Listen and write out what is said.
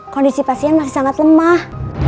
kondisi pasien masih sangat lemah